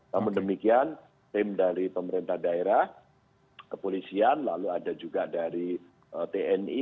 namun demikian tim dari pemerintah daerah kepolisian lalu ada juga dari tni